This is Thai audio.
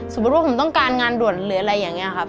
สมมุติว่าผมต้องการงานด่วนหรืออะไรอย่างนี้ครับ